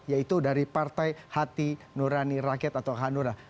yaitu dari partai hati nurani rakyat atau hanura